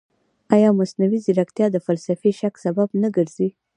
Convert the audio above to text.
ایا مصنوعي ځیرکتیا د فلسفي شک سبب نه ګرځي؟